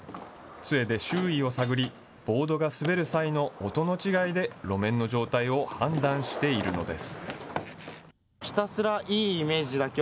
つえで周囲を探り、ボードが滑る際の音の違いで路面の状態を判断しているのです。